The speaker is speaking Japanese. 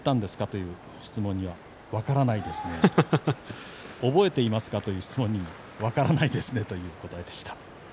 という質問には分からないですねと覚えていますか？という質問にも分からないですねという答えでした。